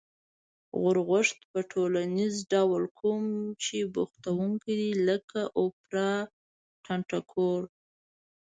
غورغوشت په ټولیز ډول کوم چې بوختوونکي دی لکه: اوپرا، ټنگټکور